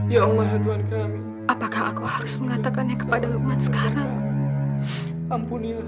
ya allah ya tuhan kami